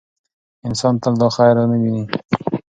انسان تل دا خیر نه ویني.